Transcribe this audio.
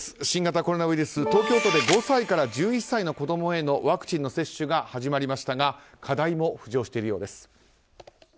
新型コロナウイルス東京都で５歳から１１歳の子供へのワクチンの接種が始まりましたが課題も浮上しているようです。